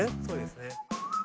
そうですね。